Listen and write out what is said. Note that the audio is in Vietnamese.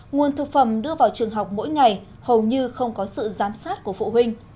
nguồn thực phẩm đưa vào trường học mỗi ngày hầu như không có sự giám sát của phụ huynh